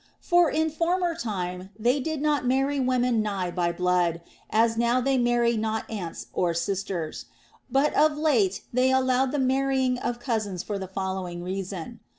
For in former time they did not marry women nigh by blood, — as now they marry not aunts or sisters, — but of late they allowed the marrying of cousins for the following reason.